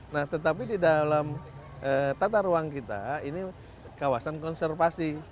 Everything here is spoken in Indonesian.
nah tetapi di dalam tata ruang kita ini kawasan konservasi